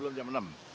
tadi sebelum jam enam